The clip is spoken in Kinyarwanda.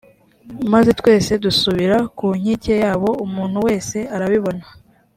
maze twese dusubira ku nkike yabo umuntu wese arababona